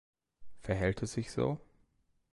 Verhält es sich so?